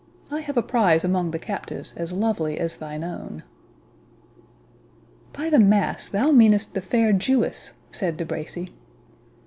I have a prize among the captives as lovely as thine own." "By the mass, thou meanest the fair Jewess!" said De Bracy.